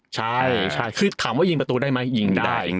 ใช่คือถามว่ายิงประตูได้ไหมยิงได้